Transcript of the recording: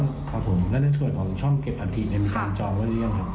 ค่ะค่ะอุโมงพลึงค่ะแล้วในช่วงของช่องเก็บอาธิในการจองไว้ได้ยัง